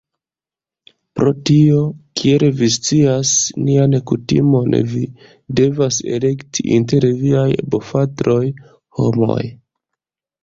Pro tio, kiel vi scias nian kutimon vi devas elekti inter viaj bofratoj. Homoj?